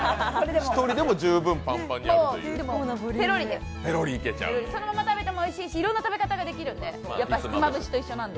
１人でも十分パンパンになるというペロリです、そのまま食べてもおいしいし、いろんな食べ方ができるんでやっぱひつまぶしと一緒なんで。